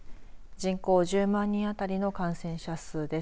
人口１０万人あたりの感染者数です。